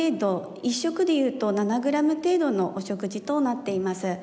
１食でいうと７ｇ程度のお食事となっています。